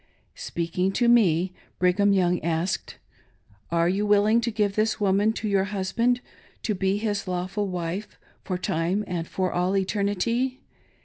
Speaking to me, Brigham Young asked : "Are you willing to give this woman to your husband to be his lawful wife for time and for all eternity